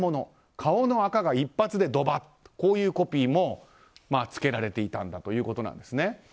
顔のあかが一発でドバッというこういうコピーもつけられていたんだということなんですね。